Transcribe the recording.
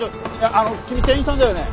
あの君店員さんだよね？